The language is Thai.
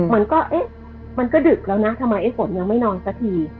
มันก็เอ๊ะมันก็ดึกแล้วนะทำไมไอ้ฝนยังไม่นอนสักที